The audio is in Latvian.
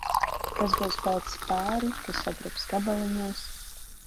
Kas būs palicis pāri, kas sadrupis gabaliņos.